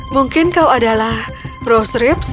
mungkin kau adalah rose ribs